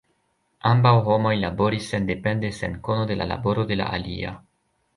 Ambaŭ homoj laboris sendepende sen kono de la laboro de la alia.